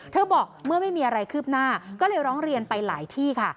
บอกเมื่อไม่มีอะไรคืบหน้าก็เลยร้องเรียนไปหลายที่ค่ะ